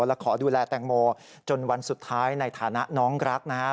และขอดูแลแตงโมจนวันสุดท้ายในฐานะน้องรักนะฮะ